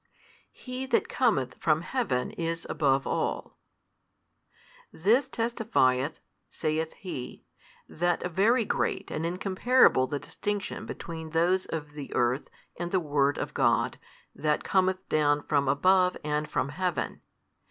He that cometh from heaven is above all. This testifieth (saith he) that very great and incomparable the distinction between those of the earth and the Word of God That cometh down from above and from Heaven.